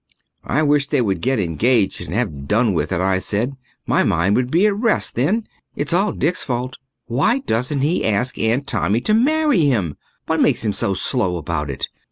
"I wish they would get engaged and have done with it," I said. "My mind would be at rest then. It's all Dick's fault. Why doesn't he ask Aunt Tommy to marry him? What's making him so slow about it?